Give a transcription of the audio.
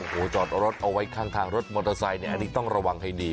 โอ้โหจอดรถเอาไว้ข้างทางรถมอเตอร์ไซค์เนี่ยอันนี้ต้องระวังให้ดี